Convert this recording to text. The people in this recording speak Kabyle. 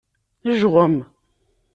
Jɣem.